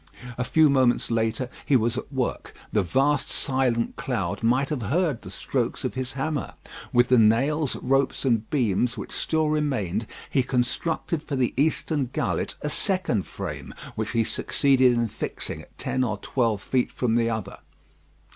A few moments later he was at work. The vast silent cloud might have heard the strokes of his hammer. With the nails, ropes, and beams which still remained, he constructed for the eastern gullet a second frame, which he succeeded in fixing at ten or twelve feet from the other.